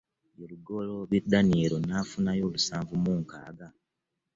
Ye Lugoloobi Daniel n'afunayo lusanvu mu nkaaga